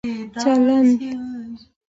چلند